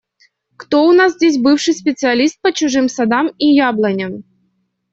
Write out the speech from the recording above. Кто у нас здесь бывший специалист по чужим садам и яблоням?